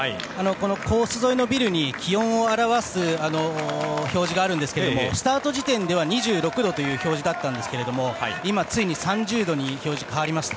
コース沿いのビルに気温を表す表示があるんですけどスタート時点では２６度という表示だったんですが今、ついに３０度に表示が変わりました。